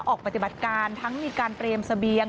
ออกปฏิบัติการทั้งมีการเตรียมเสบียง